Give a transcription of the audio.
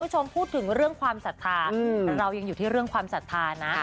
คุณผู้ชมพูดถึงเรื่องความศรัทธาเรายังอยู่ที่เรื่องความศรัทธานะ